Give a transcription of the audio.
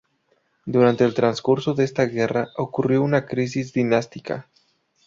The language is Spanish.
Durante el transcurso de esta guerra ocurrió una crisis dinástica.